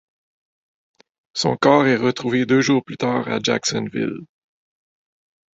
Son corps est retrouvé deux jours plus tard à Jacksonville.